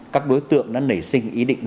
các đối tượng đã nảy sinh ý định